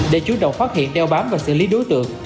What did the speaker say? để chú động phát hiện đeo bám và xử lý đối tượng